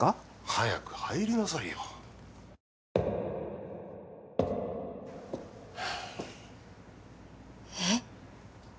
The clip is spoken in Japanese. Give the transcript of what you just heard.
早く入りなさいよえっ？